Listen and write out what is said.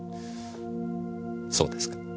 そうですか。